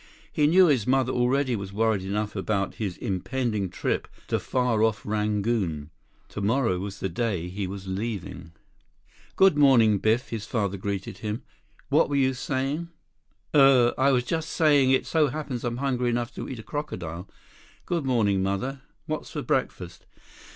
He knew his mother already was worried enough about his impending trip to far off Rangoon. Tomorrow was the day he was leaving. "Good morning, Biff," his father greeted him. "What were you saying?" "Er—I was just saying it so happens I'm hungry enough to eat a crocodile. Good morning, Mother. What's for breakfast?"